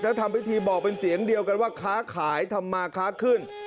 ถ้าทำพิธีบอกเป็นเสียงเดียวกันว่าค้าขายทำมาค้าขึ้น